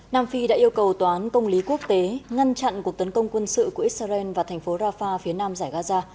nam phi đã yêu cầu tòa án công lý quốc tế ngăn chặn cuộc tấn công quân sự của israel và thành phố rafah phía nam giải gaza